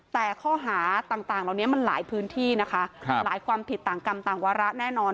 แต่ข้อหาต่างเหล่านี้มันหลายพื้นที่นะคะหลายความผิดต่างกรรมต่างวาระแน่นอน